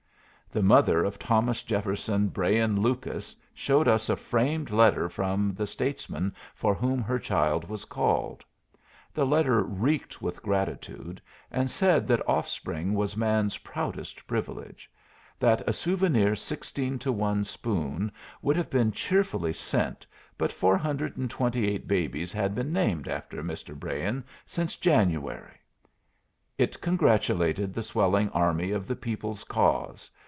The mother of Thomas Jefferson Brayin Lucas showed us a framed letter from the statesman for whom her child was called. The letter reeked with gratitude, and said that offspring was man's proudest privilege; that a souvenir sixteen to one spoon would have been cheerfully sent, but 428 babies had been named after Mr. Brayin since January. It congratulated the swelling army of the People's Cause.